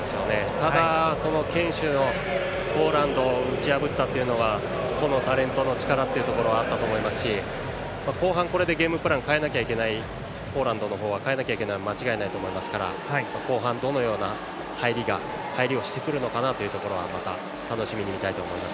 ただ、堅守のポーランドを打ち破ったというのは個のタレントの力というのもあったと思いますし後半、これでゲームプランをポーランドの方は変えなきゃいけないのは間違いないと思いますから後半どのような入りをしてくるのかまた、楽しみに見たいと思います。